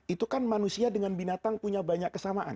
itu kan manusia dengan binatang punya banyak kesamaan